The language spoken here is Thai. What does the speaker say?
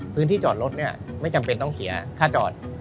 พื้นที่จอดรถไม่จำเป็นต้องเสียค่าจอด